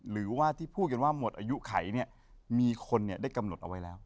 หรือว่าที่พูดกันว่าหมดอายุไขเนี่ยมีคนได้กำหนดเอาไว้แล้ว